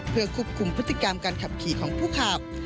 เพื่อควบคุมพฤติกรรมการขับขี่ของผู้ขับ